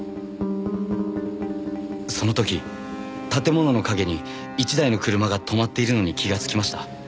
その時建物の陰に１台の車が止まっているのに気がつきました。